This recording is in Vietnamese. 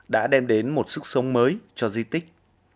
đã đem đến một sức sống mới cho di tích